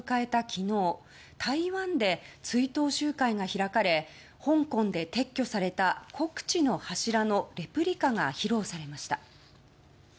昨日台湾で追悼集会が開かれ香港で撤去された国恥の柱のレプリカが披露されました。